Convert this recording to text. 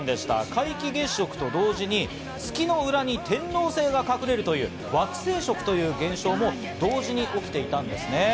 皆既月食と同時に月の裏に天王星が隠れるという惑星食という現象も同時に起きていたんですね。